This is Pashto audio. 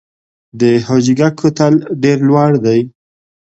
د حاجي ګک کوتل ډیر لوړ دی